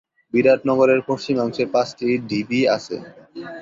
বিরাট নগরের পশ্চিমাংশে পাঁচটি ঢিবি আছে।